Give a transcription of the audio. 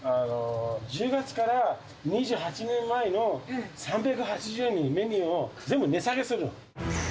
１０月から２８年前の３８０円に、メニューを全部値下げするの。